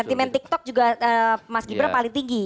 sentimen tiktok juga mas gibran paling tinggi